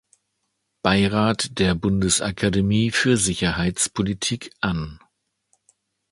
Beirat der Bundesakademie für Sicherheitspolitik an.